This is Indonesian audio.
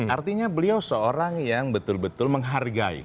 artinya beliau seorang yang betul betul menghargai